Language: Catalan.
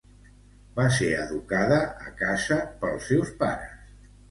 Va ser educada a casa pels seus pares.